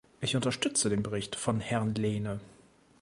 Ich unterstütze den Bericht von Herrn Lehne.